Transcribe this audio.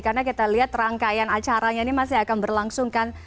karena kita lihat rangkaian acaranya ini masih akan berlangsung kan